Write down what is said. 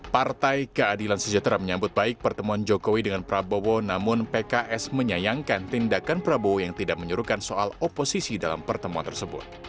partai keadilan sejahtera menyambut baik pertemuan jokowi dengan prabowo namun pks menyayangkan tindakan prabowo yang tidak menyuruhkan soal oposisi dalam pertemuan tersebut